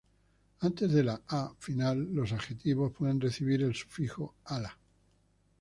Antes de la -"a" final, los adjetivos pueden recibir el sufijo "-"ala"".